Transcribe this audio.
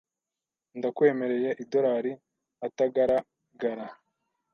Ndakwemereye idorari atagaragara